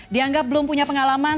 dianggap belum punya pengalaman